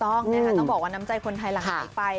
ต้องนะคะต้องบอกว่าน้ำใจคนไทยหลังไหลไป